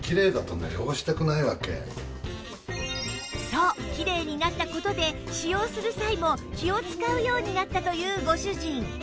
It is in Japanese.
そうきれいになった事で使用する際も気を使うようになったというご主人